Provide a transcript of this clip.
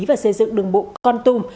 và xây dựng đường bộ con tung